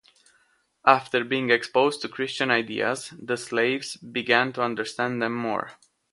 After being exposed to Christian ideas, the slaves began to understand them more.